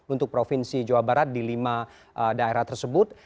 untuk provinsi jawa barat di lima daerah tersebut